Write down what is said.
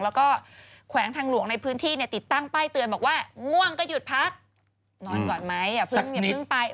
แล้วก็แขวงทางหลวงในพื้นที่เนี่ยติดตั้งป้ายเตือนบอกว่าง่วงก็หยุดพักนอนก่อนไหมอย่าเพิ่งอย่าเพิ่งไป